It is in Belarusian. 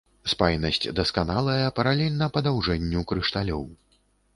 Спайнасць дасканалая, паралельна падаўжэнню крышталёў.